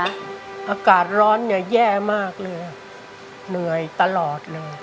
ยังไงบ้างคะอากาศร้อนเนี่ยแย่มากเลยเหนื่อยตลอดเลย